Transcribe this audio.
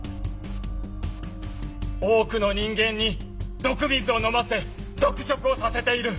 多くの人間に毒水を飲ませ毒食をさせている。